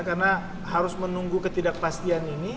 karena harus menunggu ketidakpastian ini